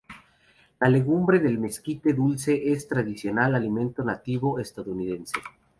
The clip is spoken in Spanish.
La legumbre del mezquite dulce es un tradicional alimento nativo estadounidense.